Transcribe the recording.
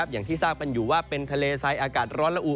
อย่างที่ทราบกันอยู่ว่าเป็นทะเลไซดอากาศร้อนละอุ